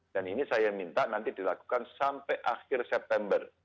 dan ini saya minta nanti dilakukan sampai akhir september